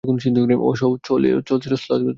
অশও চলছিল শ্লথ গতিতে।